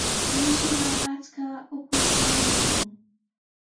Mishiqa achka ukushtami mikun.